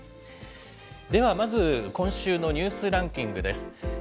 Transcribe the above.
ではまず、今週のニュースランキングです。